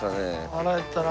腹減ったな。